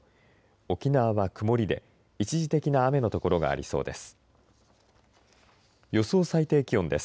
沖縄は曇りで一時的な雨の所がありそうです。